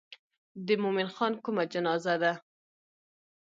د مومن خان کومه جنازه ده.